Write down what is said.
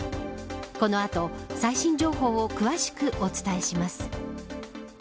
この後、最新情報を詳しくお伝えします。